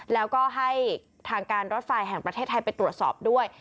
แล้วก็ให้ทางการรถไฟแห่งประเทศไทยไปตรวจสอบด้วย